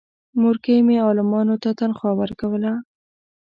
مورکۍ مې عالمانو ته تنخوا ورکوله.